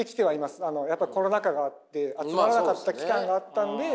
やっぱりコロナ禍があって集まらなかった期間があったんで。